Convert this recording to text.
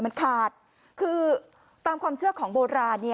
มันขาดคือตามความเชื่อของโบราณ